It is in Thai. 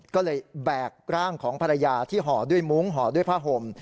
ก็เลยแบกร่างของภรรยาที่ห่อด้วยมุ้งห่อด้วยผ้าห่ม